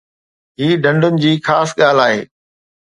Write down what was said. هي ڍنڍن جي خاص ڳالهه آهي